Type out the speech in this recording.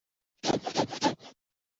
曾获美国国家艺术基金。